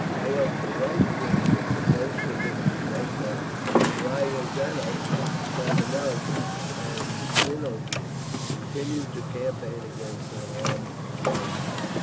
However, the right wing of the Bolsheviki, led by Riazanov, Kameniev and Zinoviev, continued to campaign against an armed rising.